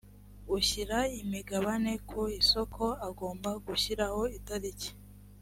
ushyira imigabane ku isoko agomba gushyiraho itariki